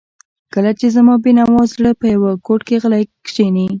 کله چې زما بېنوا زړه په یوه ګوټ کې غلی کښیني.